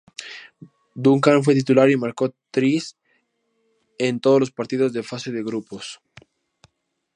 Duncan fue titular y marcó tries en todos los partidos de fase de grupos.